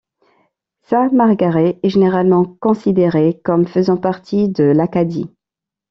Saint Margarets est généralement considérée comme faisant partie de l'Acadie.